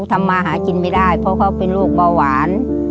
ทำมาหากินไม่ได้เพราะเขาเป็นโรคเบาหวาน